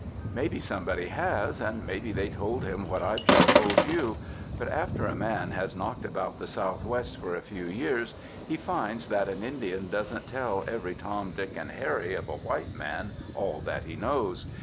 "Maybe somebody has, and maybe they told him what I've just told you. But after a man has knocked about the Southwest for a few years, he finds that an Indian doesn't tell every Tom, Dick and Harry of a white man all he knows.